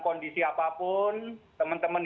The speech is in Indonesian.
kondisi apapun teman teman